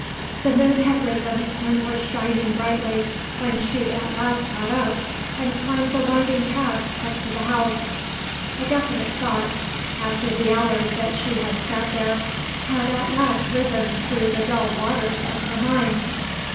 The moon had risen and was shining brightly when she at last got up and climbed the winding paths up to the house. A definite thought, after the hours that she had sat there, had at last risen through the dull waters of her mind.